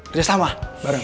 kerja sama bareng